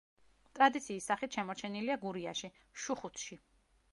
ტრადიციის სახით შემორჩენილია გურიაში, შუხუთში.